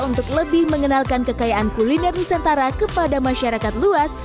untuk lebih mengenalkan kekayaan kuliner nusantara kepada masyarakat luas